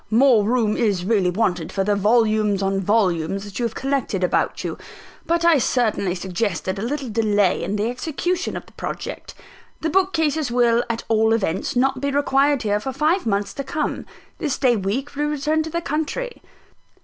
"More room is really wanted for the volumes on volumes that you have collected about you; but I certainly suggested a little delay in the execution of the project. The bookcases will, at all events, not be required here for five months to come. This day week we return to the country."